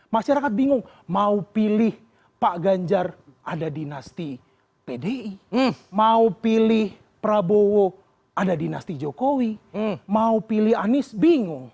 masyarakat bingung mau pilih pak ganjar ada dinasti pdi mau pilih prabowo ada dinasti jokowi mau pilih anies bingung